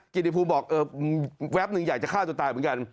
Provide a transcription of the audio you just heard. กิจภูมิบอกแวบนึงอยากจะฆ่าตัวตายเหมือนกัน